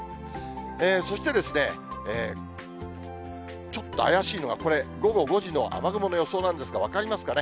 そして、ちょっと怪しいのがこれ、午後５時の雨雲の予想なんですが、分かりますかね。